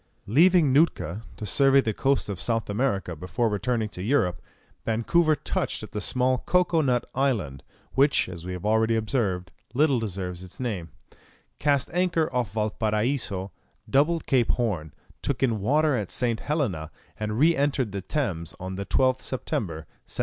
Leaving Nootka, to survey the coast of South America before returning to Europe, Vancouver touched at the small Cocoa Nut Island which, as we have already observed, little deserves its name cast anchor off Valparaiso, doubled Cape Horn, took in water at St. Helena, and re entered the Thames on the 12th September, 1795.